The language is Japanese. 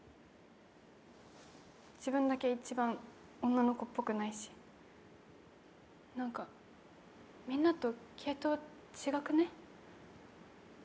自分だけ一番女の子っぽくないしなんか、みんなと系統ちがくね？